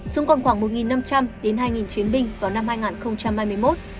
xuống còn khoảng một năm trăm linh đến hai chiến binh vào năm hai nghìn hai mươi một